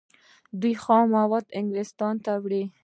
دوی خام مواد انګلستان ته وړل.